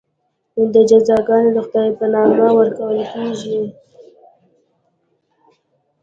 دا جزاګانې د خدای په نامه ورکول کېږي.